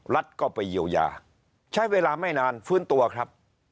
รัฐก็ไปเยียวยาใช้เวลาไม่นานฟื้นตัวครับ